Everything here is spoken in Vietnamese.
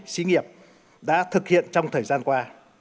xí nghiệp đã thực hiện trong thời gian qua